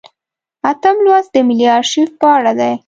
اتم لوست د ملي ارشیف په اړه دی.